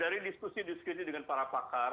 dari diskusi diskusi dengan para pakar